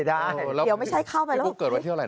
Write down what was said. เดี๋ยวไม่ใช่เข้าไปแล้ว